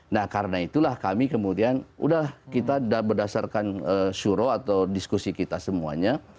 nah karena itulah kami kemudian udah kita berdasarkan suruh atau diskusi kita semuanya